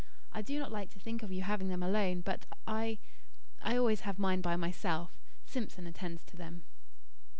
I do not like to think of you having them alone, but I I always have mine by myself. Simpson attends to them."